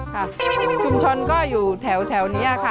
ค่ะชุมชนก็อยู่แถวเนี่ยค่ะ